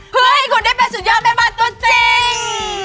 เพื่อให้คุณได้เป็นสุดยอดแม่บ้านตัวจริง